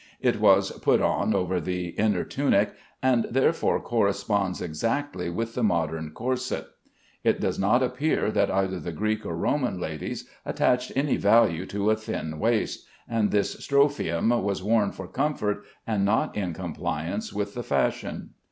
It was put on over the inner tunic, and therefore corresponds exactly with the modern corset. It does not appear that either the Greek or Roman ladies attached any value to a thin waist, and this strophium was worn for comfort and not in compliance with the fashion.